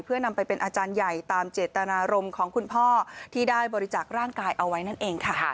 เพื่อนำไปเป็นอาจารย์ใหญ่ตามเจตนารมณ์ของคุณพ่อที่ได้บริจาคร่างกายเอาไว้นั่นเองค่ะ